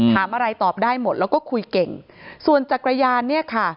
ถามอะไรตอบได้หมดแล้วก็คุยเก่งส่วนจักรยานเนี่ยค่ะ